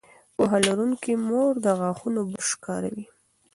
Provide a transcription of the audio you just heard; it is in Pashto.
پوهه لرونکې مور د غاښونو برش کاروي.